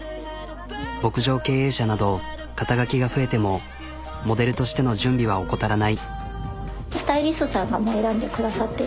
牧場経営者など肩書が増えてもモデルとしての準備は怠らない。